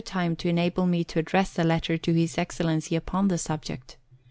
time to enable me to address a letter to His Excellency upon the subject.